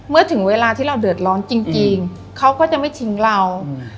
เมื่อถึงเวลาที่เราเดือดร้อนจริงเขาก็จะไม่ทิ้งเรา